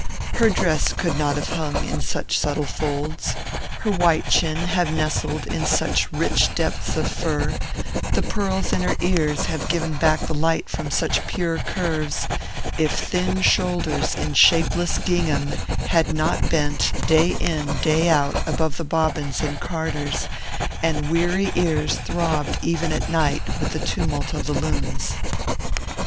Her dress could not have hung in such subtle folds, her white chin have nestled in such rich depths of fur, the pearls in her ears have given back the light from such pure curves, if thin shoulders in shapeless gingham had not bent, day in, day out, above the bobbins and carders, and weary ears throbbed even at night with the tumult of the looms.